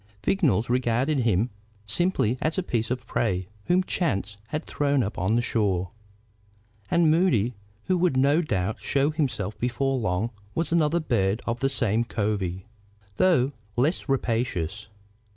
Vignolles regarded him simply as a piece of prey whom chance had thrown up on the shore. And Moody, who would no doubt show himself before long, was another bird of the same covey, though less rapacious.